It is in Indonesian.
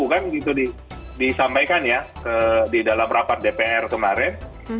kan gitu disampaikan ya di dalam rapat dpr kemarin